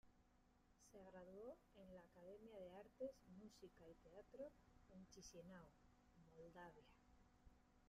Se graduó en la Academia de Artes, Música y Teatro en Chisináu, Moldavia.